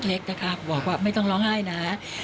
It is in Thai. สงสัยอาีกนิยะ